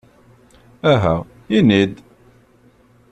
Aha, ini-d!